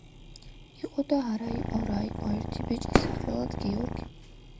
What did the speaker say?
იყო და არა იყო რა იყო ერთი ბიჭი სახელად გიორგი